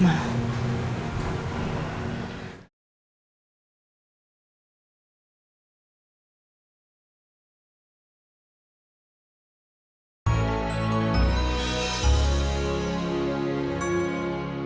aku rasa itu udah cukup